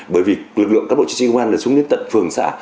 bởi vì lực lượng các đội chiến sĩ công an đã xuống đến tận phường xã